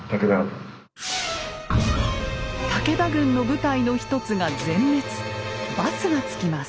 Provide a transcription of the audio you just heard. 武田軍の部隊の一つが全滅バツが付きます。